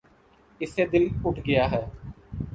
اس سے دل اٹھ گیا۔